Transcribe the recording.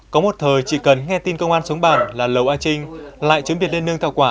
có một thời chỉ cần nghe tin công an xuống bảng là lầu a trinh lại chuẩn bị lên nương thảo quả